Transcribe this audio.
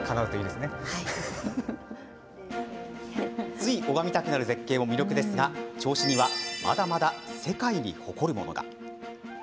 つい拝みたくなる絶景も魅力ですが銚子にはまだまだ世界に誇るものが。